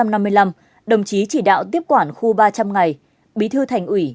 năm một nghìn chín trăm năm mươi năm đồng chí chỉ đạo tiếp quản khu ba trăm linh ngày bí thư thành ủy